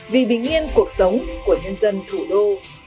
vì bình yên cuộc sống của nhân dân thủ đô